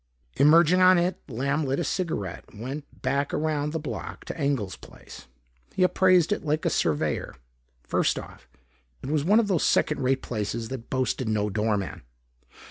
Emerging on it, Lamb lit a cigaret and went back around the block to Engel's place. He appraised it like a surveyor. First off, it was one of those second rate places that boasted no doorman.